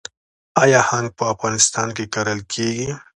آیا هنګ په افغانستان کې کرل کیږي؟